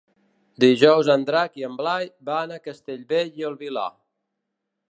Dijous en Drac i en Blai van a Castellbell i el Vilar.